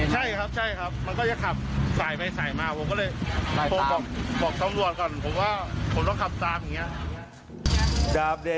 ใช่ครับใช่ครับมันก็จะขับสายไปสายมาผมก็เลยโทรบอกตำรวจก่อนผมว่าผมต้องขับตามอย่างนี้